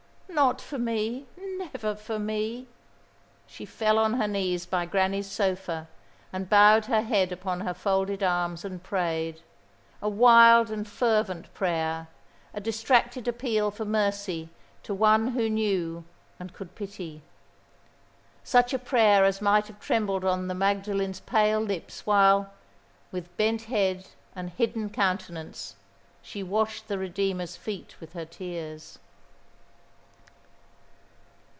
"Not for me never for me." She fell on her knees by Granny's sofa, and bowed her head upon her folded arms and prayed a wild and fervent prayer a distracted appeal for mercy to One Who knew, and could pity. Such a prayer as might have trembled on the Magdalen's pale lips while, with bent head and hidden countenance, she washed the Redeemer's feet with her tears.